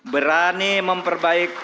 berani memperbaiki yang bengkok bengkok